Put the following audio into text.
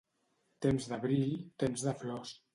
Temps d'abril, temps de flors.